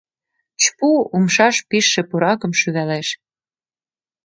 — Чпу! — умшаш пижше пуракым шӱвалеш.